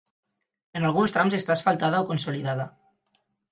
En alguns trams està asfaltada o consolidada.